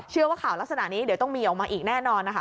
ว่าข่าวลักษณะนี้เดี๋ยวต้องมีออกมาอีกแน่นอนนะคะ